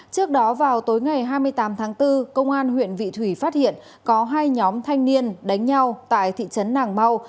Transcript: trước đó vào tối ngày hai mươi tám tháng bốn công an huyện vị thủy phát hiện có hai nhóm thanh niên đánh nhau tại thị trấn nàng mau